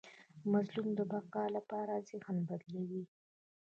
مظلوم د بقا لپاره ذهن بدلوي.